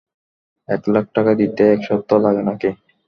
এক লাখ টাকা দিতে এক সপ্তাহ লাগে নাকি?